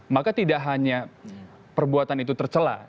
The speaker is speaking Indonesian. maka tidak hanya perbuatan itu tercelah